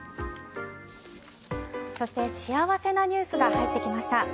そして、幸せなニュースが入ってきました。